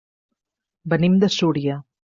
Venim de Súria.